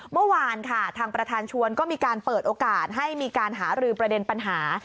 เมื่อวานค่ะทางประธานชวนก็มีการเปิดโอกาสให้มีการหารือประเด็นปัญหา